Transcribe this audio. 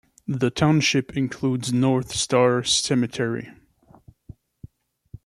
The township includes North Star Cemetery.